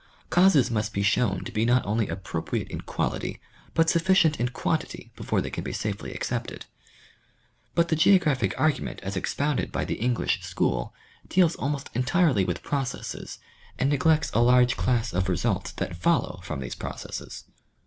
Causes must be shown to be not only appropriate in quality, but suf ficient in quantity before they can be safely accepted. But the geographic argument as expounded by the English school deals almost entirely with processes and neglects a large class of results that follow from these processes.